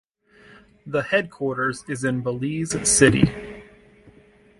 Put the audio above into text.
The headquarters is in Belize City.